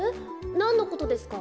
なんのことですか？